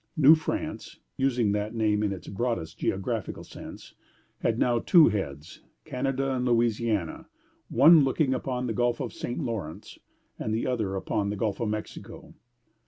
New France (using that name in its broadest geographical sense) had now two heads, Canada and Louisiana; one looking upon the Gulf of St. Lawrence, and the other upon the Gulf of Mexico.